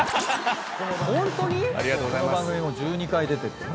ホントに⁉この番組もう１２回出てて。